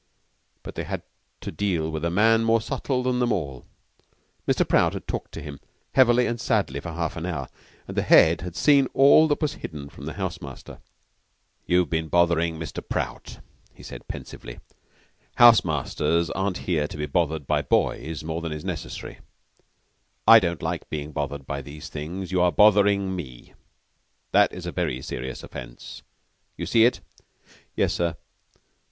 But they had to deal with a man more subtle than them all. Mr. Prout had talked to him, heavily and sadly, for half an hour; and the Head had seen all that was hidden from the house master. "You've been bothering Mr. Prout," he said pensively. "House masters aren't here to be bothered by boys more than is necessary. I don't like being bothered by these things. You are bothering me. That is a very serious offense. You see it?" "Yes, sir."